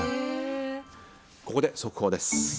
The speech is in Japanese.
ここで速報です。